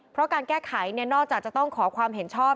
เพราะการแก้ไขนอกจากจะต้องขอความเห็นชอบ